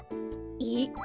えっ？